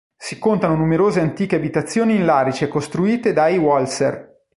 Si contano numerose antiche abitazioni in larice costruite dai Walser.